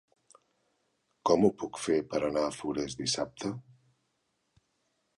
Com ho puc fer per anar a Forès dissabte?